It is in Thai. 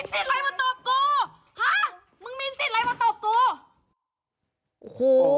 หามึงมีจิตอะไรมาตอบกู